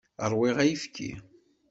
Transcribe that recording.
Ṛwiɣ ayefki.